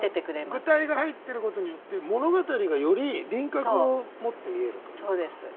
具体が入ってることによって物語がより輪郭を持って見えるというか。